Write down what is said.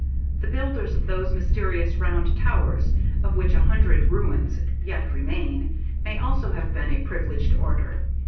The builders of those mysterious round towers, of which a hundred ruins yet remain, may also have been a privileged order.